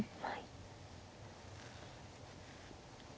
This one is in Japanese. はい。